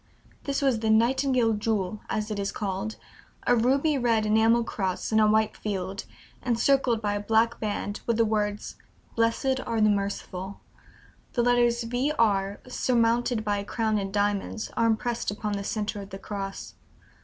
This was "the Nightingale Jewel," as it is called; "a ruby red enamel cross on a white field, encircled by a black band with the words: 'Blessed are the merciful.' The letters V. R.; surmounted by a crown in diamonds, are impressed upon the centre of the cross.